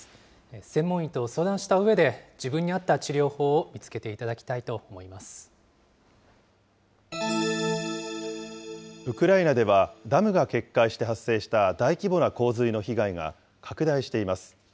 専門医と相談したうえで、自分に合った治療法を見つけていたウクライナでは、ダムが決壊して発生した大規模な洪水の被害が拡大しています。